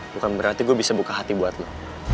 bukan berarti gue bisa buka hati buat lo